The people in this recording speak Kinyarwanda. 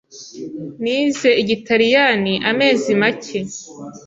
Nize Igitaliyani amezi make.